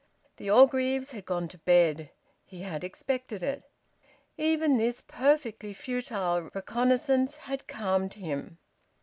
The Orgreaves had gone to bed: he had expected it. Even this perfectly futile reconnaissance had calmed him.